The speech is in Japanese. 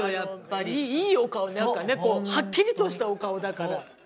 いいお顔なんかねこうはっきりとしたお顔だから。